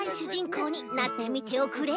こうになってみておくれ。